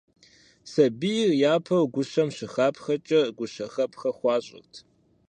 Сабийр япэу гущэм щыхапхэкӀэ гущэхэпхэ хуащӀырт.